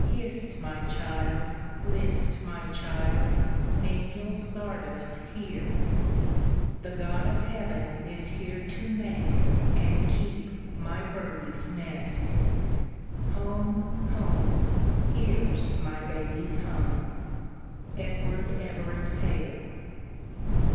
Hist, my child, list, my child; angels guard us here. The God of heaven is here to make and keep my birdie's nest. Home, home, here's my baby's home!" EDWARD EVERETT HALE.